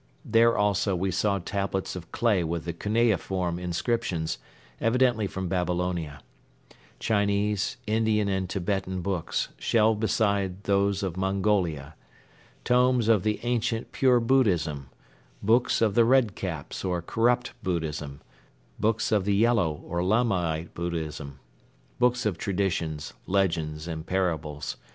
There also we saw tablets of clay with the cuneiform inscriptions, evidently from Babylonia; Chinese, Indian and Tibetan books shelved beside those of Mongolia; tomes of the ancient pure Buddhism; books of the "Red Caps" or corrupt Buddhism; books of the "Yellow" or Lamaite Buddhism; books of traditions, legends and parables.